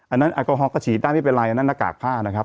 อันนั้นแอลกอฮอลก็ฉีดได้ไม่เป็นไรอันนั้นหน้ากากผ้านะครับ